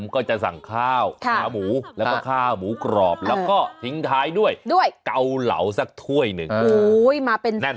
ก็จะสั่งข้าวขาหมูแล้วก็ข้าวหมูกรอบแล้วก็ทิ้งท้ายด้วยเกาเหลาสักถ้วยหนึ่ง